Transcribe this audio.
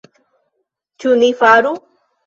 Ĉu ni faru?